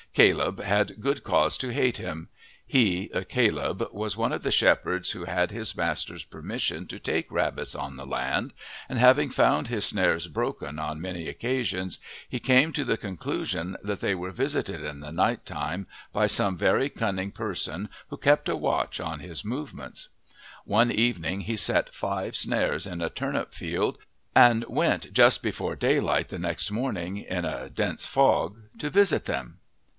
Caleb had good cause to hate him. He, Caleb, was one of the shepherds who had his master's permission to take rabbits on the land, and having found his snares broken on many occasions he came to the conclusion that they were visited in the night time by some very cunning person who kept a watch on his movements. One evening he set five snares in a turnip field and went just before daylight next morning in a dense fog to visit them.